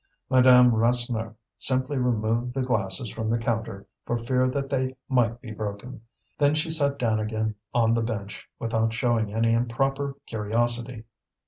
Madame Rasseneur simply removed the glasses from the counter for fear that they might be broken. Then she sat down again on the bench, without showing any improper curiosity.